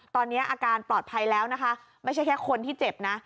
ตอนนี้อาการปลอดภัยแล้วนะคะไม่ใช่แค่คนที่เจ็บนะ